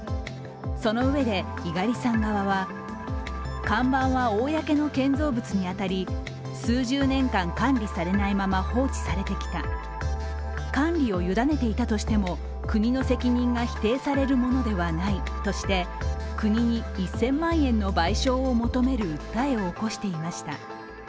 そのうえで猪狩さん側は看板は公の建造物に当たり数十年間、管理されないまま放置されてきた、管理を委ねていたとしても国の責任が否定されるものではないとして国に１０００万円の賠償を求める訴えを起こしていました。